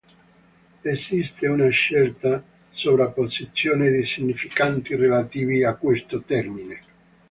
Esiste una certa sovrapposizione di significati relativi a questo termine.